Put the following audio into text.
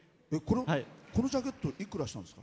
このジャケットいくらしたんですか？